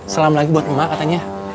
salam lagi buat ma katanya